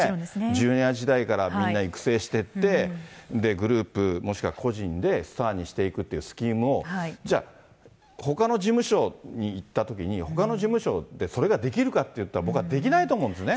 ジュニア時代からみんな育成してって、グループ、もしくは個人でスターにしていくというスキームを、じゃあ、ほかの事務所に行ったときに、ほかの事務所でそれができるかって言ったら、僕はできないと思うんですね。